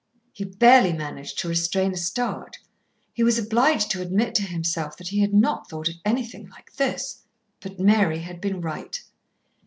He barely managed to restrain a start. He was obliged to admit to himself that he had not thought of anything like this. But Mary had been right.